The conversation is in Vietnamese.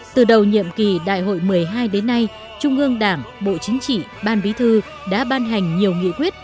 từ đầu nhiệm kỳ đại hội một mươi hai đến nay trung ương đảng bộ chính trị ban bí thư đã ban hành nhiều nghị quyết